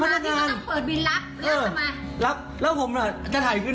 สวัสดีทุกคน